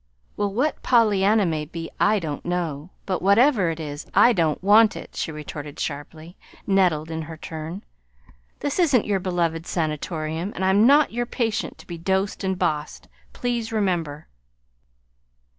"Well, what pollyanna may be I don't know, but whatever it is, I don't want it," she retorted sharply, nettled in her turn. "This isn't your beloved Sanatorium, and I'm not your patient to be dosed and bossed, please remember."